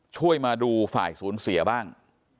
ช่วยมาดูฝ่ายศูนย์เสียบ้าง